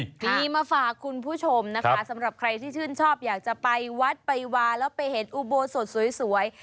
มีมาฝากคุณผู้ชมนะคะสำหรับใครที่ชื่นชอบอยากจะไปวัดไปวาแล้วไปเห็นอุโบสถสวย